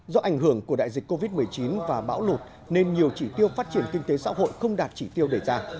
do ảnh hưởng của đại dịch covid một mươi chín và bão lụt nên nhiều chỉ tiêu phát triển kinh tế xã hội không đạt chỉ tiêu đề ra